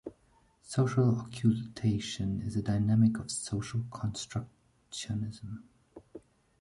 Social occultation is a dynamic of social constructionism.